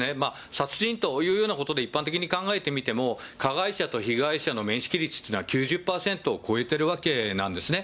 殺人というようなことで一般的に考えてみても、加害者と被害者の面識率というのは９０％を超えてるわけなんですね。